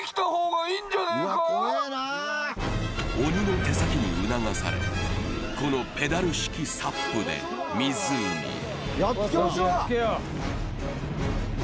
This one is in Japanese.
鬼の手先に促され、このペダル式サップで湖へ。